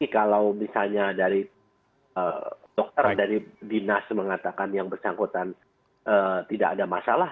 kalau misalnya dari dokter dari dinas mengatakan yang bersangkutan tidak ada masalah